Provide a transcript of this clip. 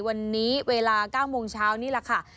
วันนี้เวลา๙โมงเช้านี่แหละค่ะ